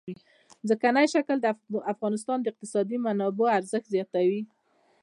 ځمکنی شکل د افغانستان د اقتصادي منابعو ارزښت زیاتوي.